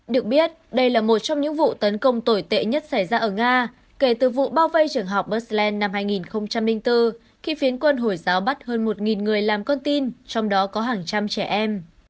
được biết đây là một trong những vụ tấn công tồi tệ nhất xảy ra ở nga kể từ vụ bao vây trường học bersland năm hai nghìn bốn khi phiến quân hồi giáo bắt hơn một người làm con tin trong đó có hàng trăm trẻ em